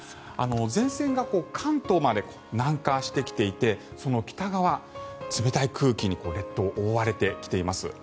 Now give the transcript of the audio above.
前線が関東まで南下してきていてその北側、冷たい空気に列島、覆われてきています。